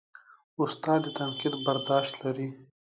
استاد د تنقید برداشت لري.